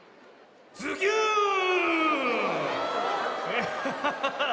アハハハハハ！